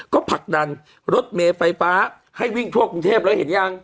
ก็ผลักดันรถเมย์ไฟฟ้าให้วิ่งทั่วกรุงเทพแล้วเห็นยัง